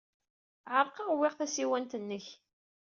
Ɛerqeɣ, uwyeɣ tasiwant-nnek.